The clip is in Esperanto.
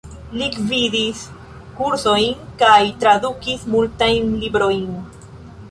Li gvidis kursojn kaj tradukis multajn librojn.